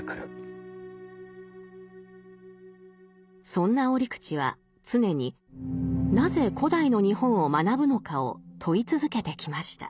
そんな折口は常になぜ古代の日本を学ぶのかを問い続けてきました。